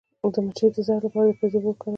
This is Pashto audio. د مچۍ د زهر لپاره د پیاز اوبه وکاروئ